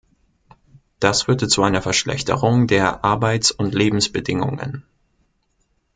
Das führte zu einer Verschlechterung der Arbeits- und Lebensbedingungen.